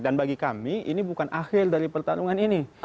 dan bagi kami ini bukan akhir dari pertarungan ini